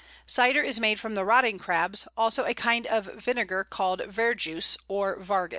Cyder is made from the rotting Crabs; also a kind of vinegar called verjuice, or vargis.